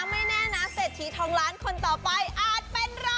ไม่แน่นะเศรษฐีทองล้านคนต่อไปอาจเป็นเรา